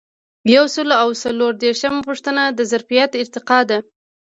یو سل او څلور دیرشمه پوښتنه د ظرفیت ارتقا ده.